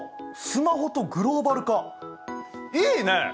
「スマホとグローバル化」いいね！